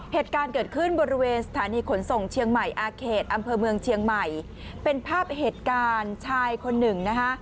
เหตุการณ์เกิดขึ้นบริเวณสถานีขนส่งเชียงใหม่อาเขตอำเภอเมืองเชียงใหม่เป็นภาพเหตุการณ์ชายคนหนึ่งนะคะ